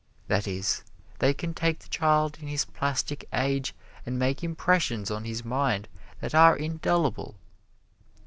That is, they can take the child in his plastic age and make impressions on his mind that are indelible.